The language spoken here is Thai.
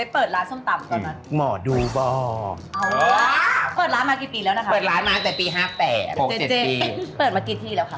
เปิดมากี่ที่แล้วค่ะ